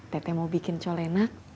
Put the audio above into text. tete mau bikin col enak